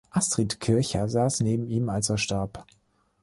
Astrid Kirchherr saß neben ihm, als er starb.